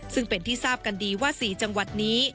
ซึ่งเป็นที่ทราบกันดีว่า๔จังหวัดนี้